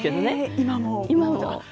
今も。